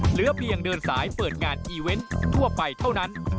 เหลือเพียงเดินสายเปิดงานอีเวนต์ทั่วไปเท่านั้น